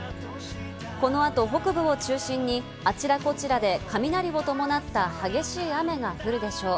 このあと北部を中心にあちらこちらで雷を伴った激しい雨が降るでしょう。